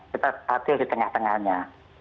kita stabil di tengah tengahnya